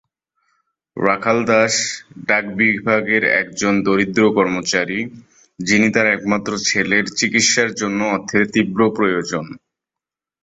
রাখাল দাস ডাক বিভাগের একজন দরিদ্র কর্মচারী যিনি তার একমাত্র ছেলের চিকিৎসার জন্য অর্থের তীব্র প্রয়োজন।